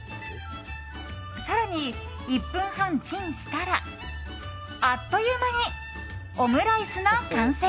更に１分半チンしたらあっという間にオムライスの完成！